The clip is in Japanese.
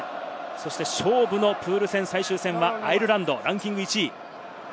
そして勝負のプール戦最終戦はアイルランド、ランキング１位。